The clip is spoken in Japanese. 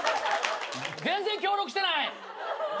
全然協力してない？